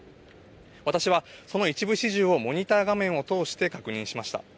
私はその一部始終をそのモニター画面を通して確認しました。